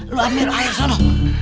lo ambil air ke sana